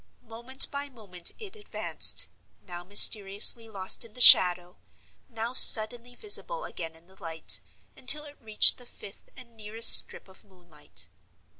Moment by moment it advanced, now mysteriously lost in the shadow, now suddenly visible again in the light, until it reached the fifth and nearest strip of moonlight.